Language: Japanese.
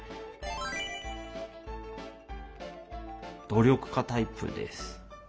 努力家タイプです。